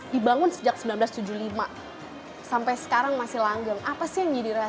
dibangun sejak seribu sembilan ratus tujuh puluh lima sampai sekarang masih langgeng apa sih yang jadi rasa